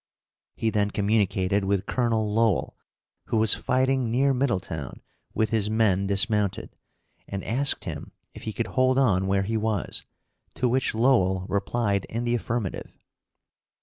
He then communicated with Colonel Lowell, who was fighting near Middletown with his men dismounted, and asked him if he could hold on where he was, to which Lowell replied in the affirmative.